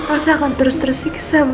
elsa akan terus terus siksa ma